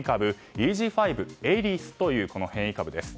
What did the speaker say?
ＥＧ．５、エリスという変異株です。